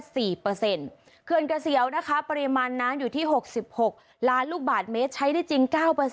เขื่อนเกษียวนะคะปริมาณน้ำอยู่ที่๖๖ล้านลูกบาทเมตรใช้ได้จริง๙